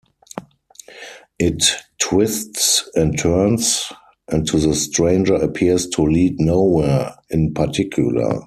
It twists and turns, and to the stranger appears to lead nowhere in particular.